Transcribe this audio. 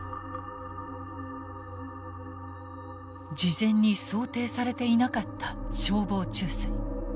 事前に想定されていなかった消防注水。